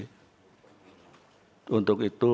hai untuk itu